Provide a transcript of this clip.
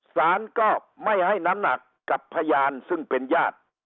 สารก็ไม่ให้น้ำหนักกับพยานซึ่งเป็นญาติ